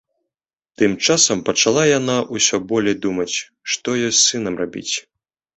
Тым часам пачала яна ўсё болей думаць, што ёй з сынам рабіць.